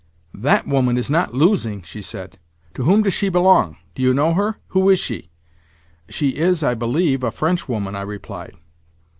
"That woman is not losing," she said. "To whom does she belong? Do you know her? Who is she?" "She is, I believe, a Frenchwoman," I replied.